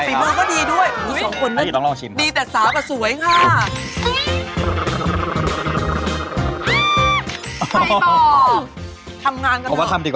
เยี่ยมสักอย่างสักอย่าง